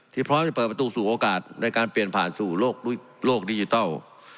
พร้อมจะเปิดประตูสู่โอกาสในการเปลี่ยนผ่านสู่โลกดิจิทัล